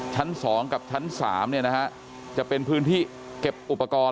ชั้น๒กับชั้น๓จะเป็นพื้นที่เก็บอุปกรณ์